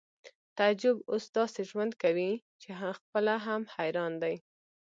تعجب اوس داسې ژوند کوي چې خپله هم حیران دی